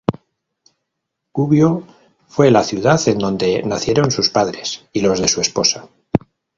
Gubbio fue la ciudad en donde nacieron sus padres y los de su esposa.